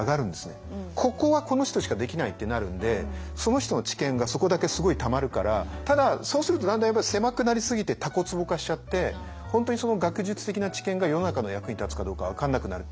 ここはこの人しかできないってなるんでその人の知見がそこだけすごいたまるからただそうするとだんだんやっぱり狭くなりすぎてたこつぼ化しちゃって本当にその学術的な知見が世の中の役に立つかどうか分かんなくなる。